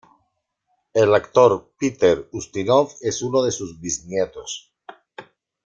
El actor Peter Ustinov es uno de sus bisnietos.